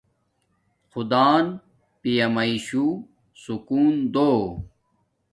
خدان پیامایݵشو سکون دو